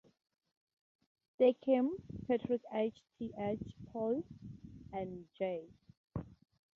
Stakem, Patrick H. T. H. Paul and J.